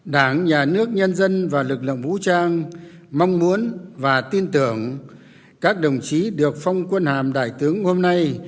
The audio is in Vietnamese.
đảng nhà nước nhân dân và lực lượng vũ trang mong muốn và tin tưởng các đồng chí được phong quân hàm đại tướng hôm nay